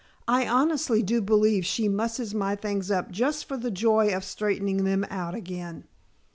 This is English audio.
"I honestly do believe she musses my things up just for the joy of straightening them out again."